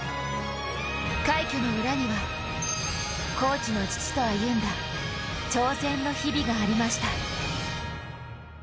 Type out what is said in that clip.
快挙の裏にはコーチの父と歩んだ挑戦の日々がありました。